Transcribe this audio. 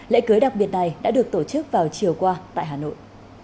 lễ cưới đặc biệt này đã được tổ chức vào chiều qua tại hà nội